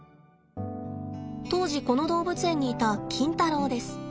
当時この動物園にいたキンタロウです。